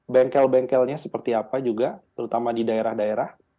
bengkel bengkelnya seperti apa juga terutama di daerah daerah